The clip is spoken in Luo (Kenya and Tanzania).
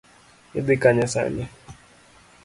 Idhi kanye sani?